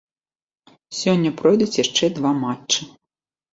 Сёння пройдуць яшчэ два матчы.